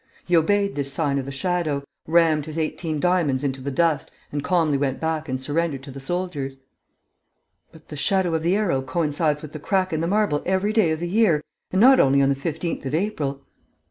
He obeyed this sign of the shadow, rammed his eighteen diamonds into the dust and calmly went back and surrendered to the soldiers." "But the shadow of the arrow coincides with the crack in the marble every day of the year and not only on the 15th of April."